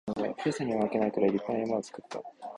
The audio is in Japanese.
富士山にも負けないくらい立派な山を作った